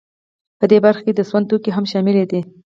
په دې برخه کې د سون توکي هم شامل دي